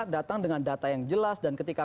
datang dengan data yang jelas dan ketika